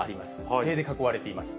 塀で囲われています。